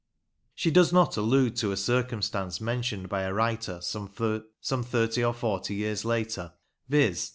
She does not allude to a circumstance mentioned by a writer some thirty or forty years later, viz.